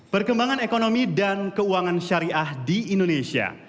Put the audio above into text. perkembangan ekonomi dan keuangan syariah di indonesia